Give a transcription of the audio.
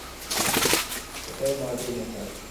এটাই মার্টিন এশার।